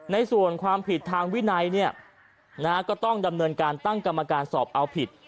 ในส่วนความผิดทางวินัยก็ต้องดำเนินการตั้งกรรมการสอบเอาผิด